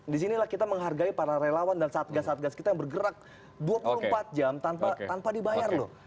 disinilah kita menghargai para relawan dan satgas satgas kita yang bergerak dua puluh empat jam tanpa dibayar loh